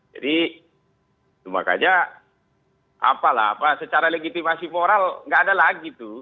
jadi semakanya apa lah secara legitimasi moral nggak ada lagi tuh